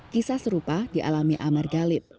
kisah serupa dialami amar galib